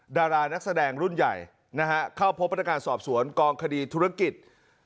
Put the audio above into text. ดารานักแสดงรุ่นใหญ่นะฮะเข้าพบพนักงานสอบสวนกองคดีธุรกิจ